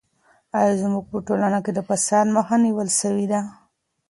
ایا زموږ په ټولنه کې د فساد مخه نیول سوې ده؟